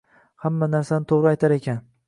Hamma narsani to`g`ri aytar ekan